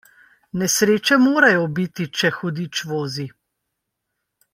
Nesreče morajo biti, če hudič vozi.